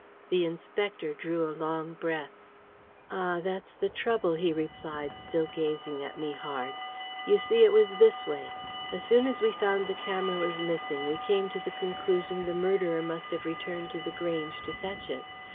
The Inspector drew a long breath. "Ah, that's the trouble!" he replied, still gazing at me hard. "You see, it was this way. As soon as we found the camera was missing, we came to the conclusion the murderer must have returned to The Grange to fetch it.